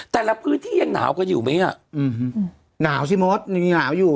แต่ละพื้นที่ยังหนาวก็อยู่ไหมอ่ะอื้อฮือหนาวสิโมสหนาวอยู่